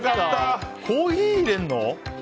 コーヒー入れるの？